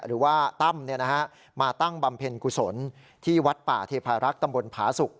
หรือว่าตั้มมาตั้งบำเพ็ญกุศลที่วัดป่าเทพารักษ์ตำบลผาสุก